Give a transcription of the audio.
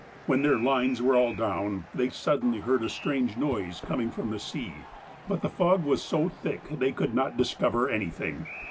When their lines were all down, they suddenly heard a strange noise coming from the sea. But the fog was so thick they could not discover anything.